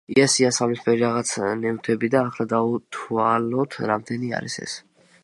ეს იასამნისფერი რაღაც ნივთები და ახლა დავთვალოთ რამდენი არის ეს.